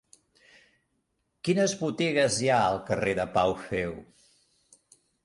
Quines botigues hi ha al carrer de Pau Feu?